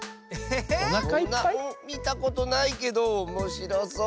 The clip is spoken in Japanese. みたことないけどおもしろそう。